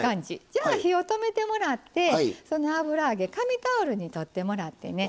じゃあ火を止めてもらってその油揚げ紙タオルに取ってもらってね。